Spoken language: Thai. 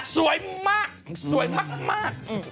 สวยมากสวยมาก